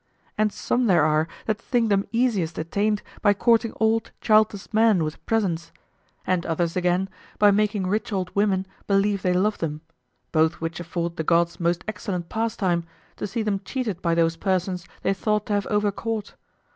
And some there are that think them easiest attained by courting old childless men with presents; and others again by making rich old women believe they love them; both which afford the gods most excellent pastime, to see them cheated by those persons they thought to have over caught.